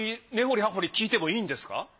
根掘り葉掘り聞いてもいいんですか？